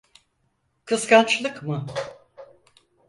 Kıskançlık mı?